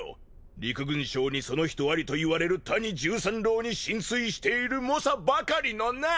陸軍省にその人ありと言われる谷十三郎に心酔している猛者ばかりのな！